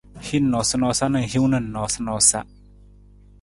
Hin noosanoosa na hiwung na noosanoosa.